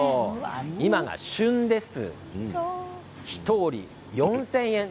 今が旬です。